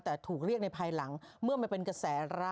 แต่ถูกเรียกในภายหลังเมื่อมันเป็นกระแสระ